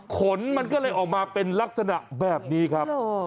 ขนมันก็เลยออกมาเป็นลักษณะแบบนี้ครับ